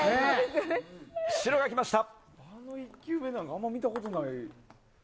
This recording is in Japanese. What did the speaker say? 白が来ました。